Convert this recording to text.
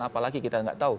apalagi kita tidak tahu